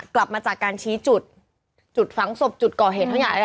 กลับมาจากการชี้จุดจุดฝังศพจุดก่อเหตุทั้งหลาย